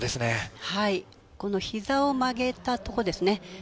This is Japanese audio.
このひざを曲げたとこですね。